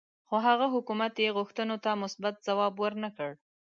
خو هغه حکومت یې غوښتنو ته مثبت ځواب ورنه کړ.